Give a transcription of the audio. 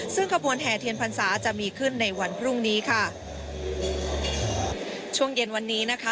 ซึ่งขบวนแห่เทียนพรรษาจะมีขึ้นในวันพรุ่งนี้ค่ะช่วงเย็นวันนี้นะคะ